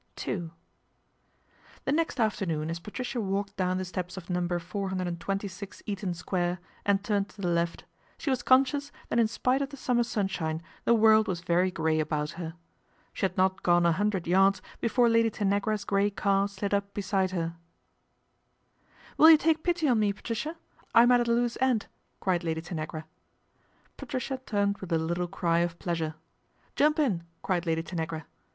n The next afternoon as Patricia walked down the steps of Number 426 Eaton Square and turned to the left, she was conscious that in spite of the summer sunshine the world was very grey about her. She had not gone a hundred yards before Lady Tanagra's grey car slid up beside her. MR. TRIGGS TAKES TEA 215 ' Will you take pity on me, Patricia ? I'm at loose end," cried Lady Tanagra. Patricia turned with a little cry of pleasure. ' Jump in," cried Lady Tanagra.